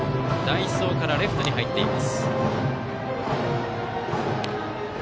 代走からレフトに入っています。